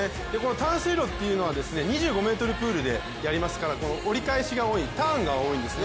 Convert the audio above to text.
短水路っていうのは２５ｍプールでやりますからこの折り返しターンが多いんですね。